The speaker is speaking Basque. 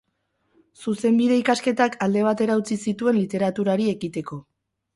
Zuzenbide ikasketak alde batera utzi zituen literaturari ekiteko.